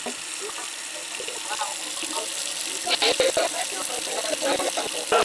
tathmini ya bei kila mwezi inayofanywa na Mamlaka ya